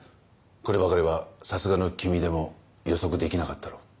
こればかりはさすがの君でも予測できなかったろ。